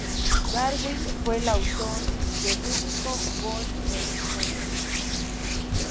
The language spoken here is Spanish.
Darwin fue el autor del único gol del encuentro.